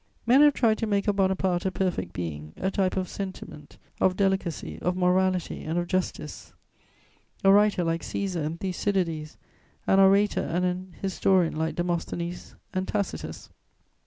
Men have tried to make of Bonaparte a perfect being, a type of sentiment, of delicacy, of morality and of justice, a writer like Cæsar and Thucydides, an orator and an historian like Demosthenes and Tacitus.